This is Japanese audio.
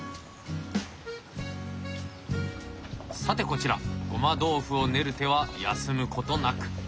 さてこちらごま豆腐を練る手は休むことなく。